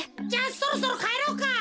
じゃあそろそろかえろうか。